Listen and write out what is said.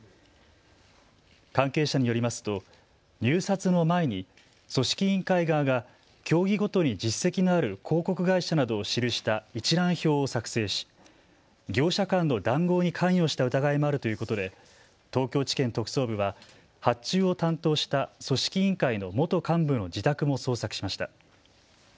関係者によりますと入札の前に組織委員会側が競技ごとに実績のある広告会社などを記した一覧表を作成し業者間の談合に関与した疑いもあるということで東京地検特捜部は発注を担当した組織委員会の元幹部の自宅も捜索しました。